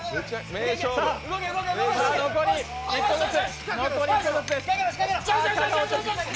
残り１個ずつ。